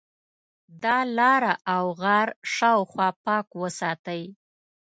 د ا لاره او غار شاوخوا پاک وساتئ.